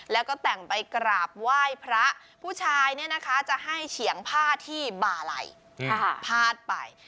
แล้วก็แต่งไปกราบไหว้พระผู้ชายเนี่ยนะคะจะให้เฉียงผ้าที่บาลัยพาดไป